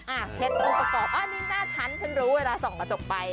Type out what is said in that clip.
อ่ะเช็ดอันนี้หน้าชั้นฉันรู้เวลาส่องกระจกไป